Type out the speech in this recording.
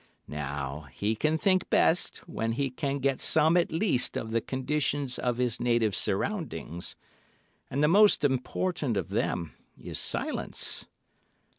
"Now, he can think best when he can get some at least of the conditions of his native surroundings—and the most important of them is silence.